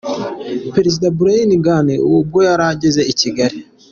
Perezida Brahim Ghali ubwo yari ageze i Kigali.